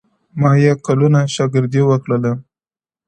مــا يـــې كلــونـــه شــاگــردې وكـــړلـــه؛